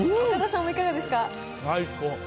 最高。